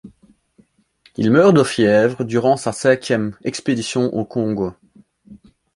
Il meurt de fièvre durant sa cinquième expédition au Congo.